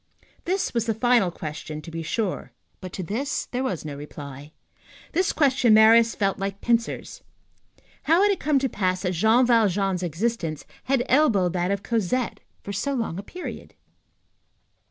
This was the final question, to be sure; but to this there was no reply. This question Marius felt like pincers. How had it come to pass that Jean Valjean's existence had elbowed that of Cosette for so long a period?